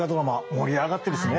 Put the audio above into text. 盛り上がってるしね！